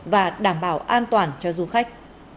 và đảm bảo an toàn cho du khách